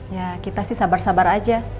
ya kita sih sabar sabar aja